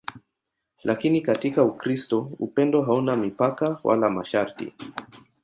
Lakini katika Ukristo upendo hauna mipaka wala masharti.